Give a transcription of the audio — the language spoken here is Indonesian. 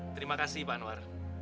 terima kasih pak anwar